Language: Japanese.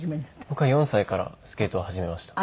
僕は４歳からスケートを始めました。